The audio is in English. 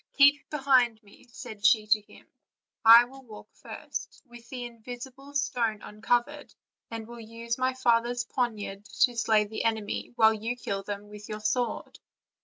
"Keep behind m@," said she to him; "I will walk first OLD, OLD FAIR* TALES. 351 with the invisible stone uncovered, and will use my father's poniard to slay the enemy, while you kill them with your sword."